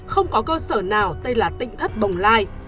không có cơ sở nào tên là tinh thất bồng lai